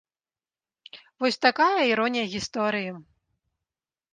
Вось такая іронія гісторыі.